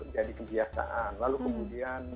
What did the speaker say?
jadi kebiasaan lalu kemudian